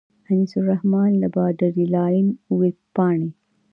انیس الرحمن له باډرلاین وېبپاڼې.